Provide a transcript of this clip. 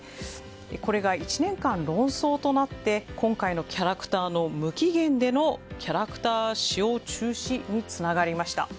これが１年間、論争となって今回のキャラクターの無期限のキャラクター使用中止につながりました。